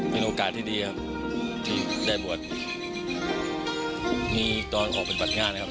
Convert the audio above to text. เป็นโอกาสที่ดีครับที่ได้บวชมีตอนออกปฏิบัติงานครับ